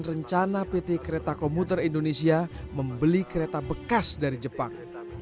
rencana pt kereta komuter indonesia membeli kereta bekas dari jepang